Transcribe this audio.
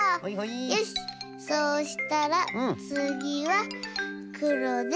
よしそうしたらつぎはくろで。